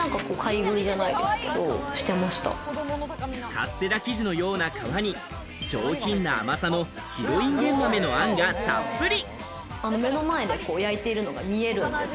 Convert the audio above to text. カステラ生地のような皮に上品な甘さの白インゲン豆の餡がたっぷり。